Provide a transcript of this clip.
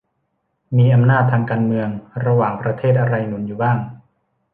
มีอำนาจทางการเมืองระหว่างประเทศอะไรหนุนอยู่บ้าง